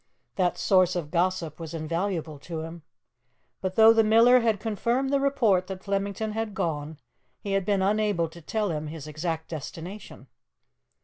That source of gossip was invaluable to him. But, though the miller had confirmed the report that Flemington had gone, he had been unable to tell him his exact destination.